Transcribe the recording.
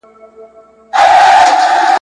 له هر رنګه پکښي پټ ول فسادونه ..